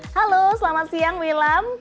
halo selamat siang wilam